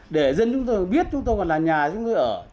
để dân chúng tôi biết chúng tôi còn là nhà chúng tôi ở